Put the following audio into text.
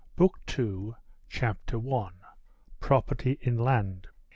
BOOK II. CHAPTER I. PROPERTY IN LAND.